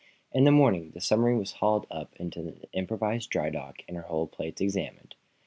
In the morning the submarine was hauled up into an improvised drydock and her hull plates examined.